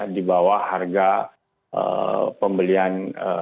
di bawah harga pembeliannya